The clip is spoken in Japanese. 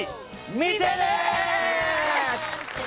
見てねー！